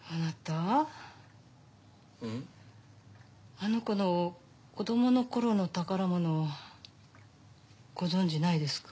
あの子の子供の頃の宝物ご存じないですか？